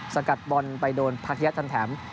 สกัดบอลไปโดนพัทยะทันแถม